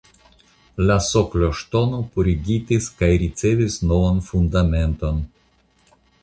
La sokloŝtono purigitis kaj ricevis novan fundamenton.